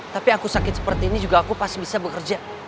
tapi aku sakit seperti ini juga aku pasti bisa bekerja